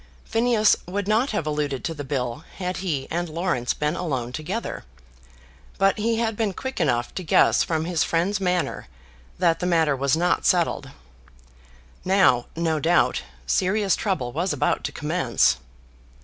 Phineas would not have alluded to the bill had he and Laurence been alone together; but he had been quick enough to guess from his friend's manner that the matter was not settled. Now, no doubt, serious trouble was about to commence.